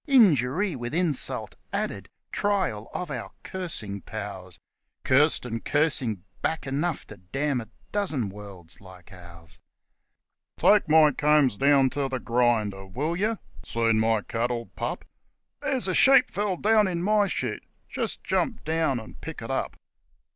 Injury with insult added trial of our cursing powers Cursed and cursing back enough to damn a dozen worlds like ours. THE GREEN HAND ROUSE ABOUT 149 1 Take my combs down to the grinder, will yer 1 '' Seen my cattle pup ?' 1 There's a sheep fell clown in my shoot just jump down and pick it up.'